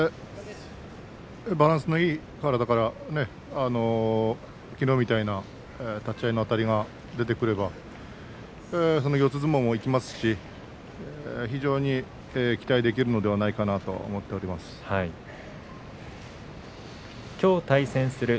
バランスのいい体からきのうみたいな立ち合いのあたりが出てくれば四つ相撲もいけますし非常に期待できるのではないかと思っています。